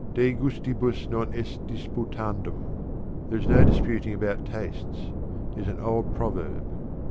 'De gustibus non est disputandum' ('there is no disputing about tastes') is an old proverb.